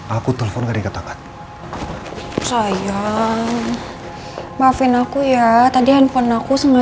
apa ini yang disebut ikatan anak dan ibu ya